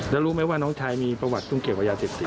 แล้วรู้ไหมว่าน้องชายมีประวัติตรงเกตวัยยา๑๔